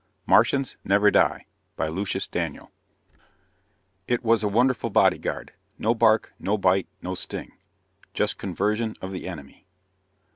net martians never die By LUCIUS DANIEL _It was a wonderful bodyguard: no bark, no bite, no sting ... just conversion of the enemy!